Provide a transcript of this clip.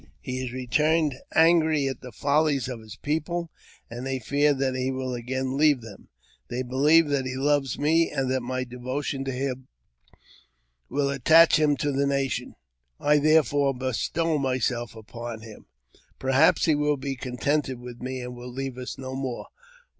He has returned angry at the follies of his people, and they fear that he will again leave them. They believe that he loves me, and that my devotion to him will attach him to the nation. I therefore bestow myself upon him ; perhaps he will be contented with me, and will leave us no more.